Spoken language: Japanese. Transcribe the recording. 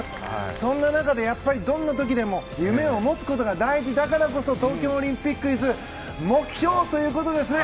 そんな中でどんな時でも夢を持つことが大事だからこそ東京オリンピックｉｓ目標ということですね。